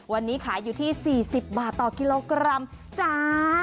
วันนี้ขายอยู่ที่๔๐บาทต่อกิโลกรัมจ้า